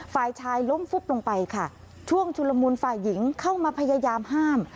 ฝ่ายชายล้มฟุบลงไปค่ะช่วงชุลมุนฝ่ายหญิงเข้ามาพยายามห้าม